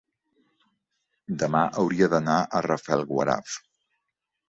Demà hauria d'anar a Rafelguaraf.